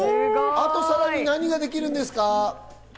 あとさらに何ができるんですか？